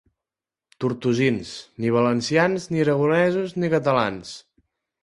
Tortosins: ni valencians, ni aragonesos, ni catalans.